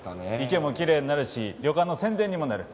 池もきれいになるし旅館の宣伝にもなる。